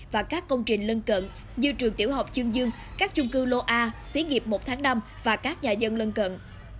và các công trình lân cận như trường tiểu học chương dương các chung cư lô a xí nghiệp một tháng năm và các nhà dân lân cận